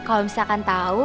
kalau misalkan tahu